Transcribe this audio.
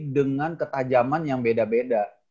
dengan ketajaman yang beda beda